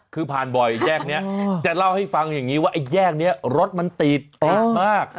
คือผ่านบ่อยแยกนี้จะเล่าให้ฟังอย่างนี้ว่าไอ้แยกนี้รถมันติดติดมาก